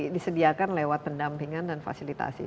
disediakan lewat pendampingan dan fasilitasi